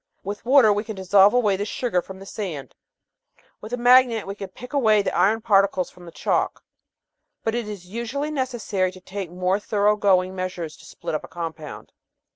With water we can dissolve away the sugar from the sand ; with a magnet we can pick away the iron particles from the chalk ; but it is usually necessary to take more thoroughgoing measures to split up a compound.